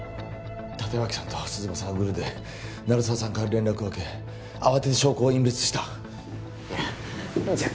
立脇さんと鈴間さんはグルで鳴沢さんから連絡を受け慌てて証拠を隠滅したいやじゃ